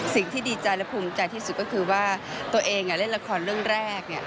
สิ่งที่ดีใจและภูมิใจที่สุดก็คือว่าตัวเองเล่นละครเรื่องแรก